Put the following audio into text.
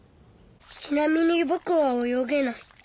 ちなみにぼくは泳げない。